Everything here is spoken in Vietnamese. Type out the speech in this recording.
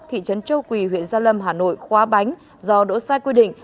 thị trấn châu quỳ huyện gia lâm hà nội khóa bánh do đỗ sai quy định